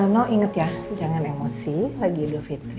nino inget ya jangan emosi lagi hidup fitri